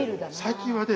最近はね